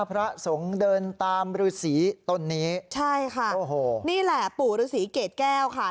พระสงฆ์เดินตามฤษีต้นนี้ใช่ค่ะโอ้โหนี่แหละปู่ฤษีเกรดแก้วค่ะ